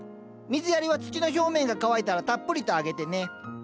水やりは土の表面が乾いたらたっぷりとあげてね。